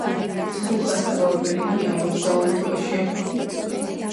სულხან-საბა ორბელიანი ამბობს ,, ძალა ერთობაშია''